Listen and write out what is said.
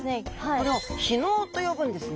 これを被のうと呼ぶんですね。